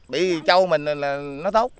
bị trâu mình là nó tốt